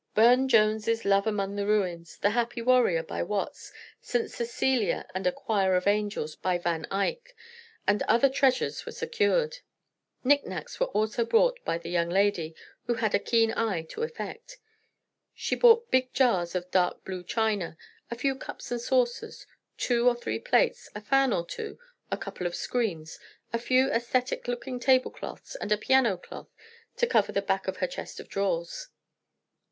Burne Jones' "Love among the Ruins," "The Happy Warrior" by Watts, "St. Cecilia and a Choir of Angels" by Van Eyck, and other treasures were secured. Knick knacks also were bought by the young lady, who had a keen eye to effect. She bought big jars of dark blue china, a few cups and saucers, two or three plates, a fan or two, a couple of screens, a few æsthetic looking tablecloths, and a piano cloth to cover the back of her chest of drawers.